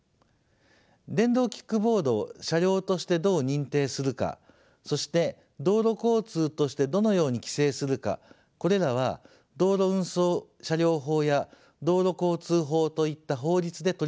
電動キックボードを車両としてどう認定するかそして道路交通としてどのように規制するかこれらは道路運送車両法や道路交通法といった法律で取り扱われます。